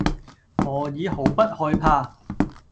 何以毫不害怕；